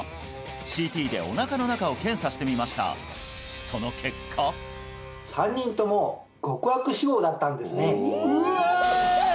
ＣＴでおなかの中を検査してみましたその結果うわ！